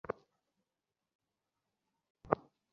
ওখানে এক ধরণের রুটি পাওয়া যেত, আমার খুব পছন্দের ছিল।